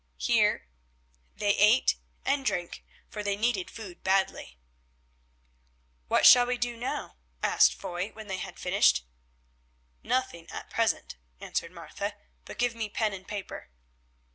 Here they ate and drank, for they needed food badly. "What shall we do now?" asked Foy when they had finished. "Nothing at present," answered Martha, "but give me pen and paper."